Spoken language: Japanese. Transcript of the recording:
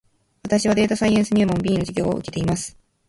私はデータサイエンス入門 B の授業を受けています